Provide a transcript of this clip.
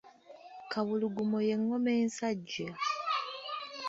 Kawulugumo ye ngoma ensajja .